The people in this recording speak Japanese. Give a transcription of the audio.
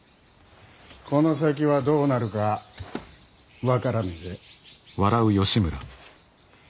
この先はどうなるか分からねえぜ。